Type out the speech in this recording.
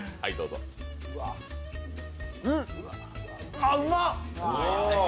あっ、うまっ！